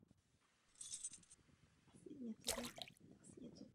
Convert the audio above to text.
Právě touto stránkou se Joanna inspirovala.